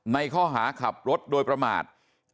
ในข้อหาขับรถโดยประมาท